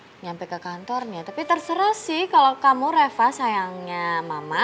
sampai ke kantornya tapi terserah sih kalau kamu reva sayangnya mama